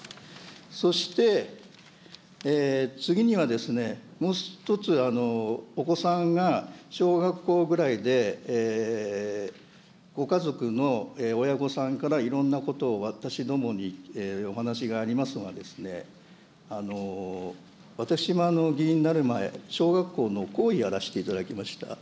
そして、次には、もう一つ、お子さんが小学校ぐらいでご家族の親御さんから、いろんなことを私どもにお話がありますのはですね、私も議員になる前、小学校の校医やらせていただきました。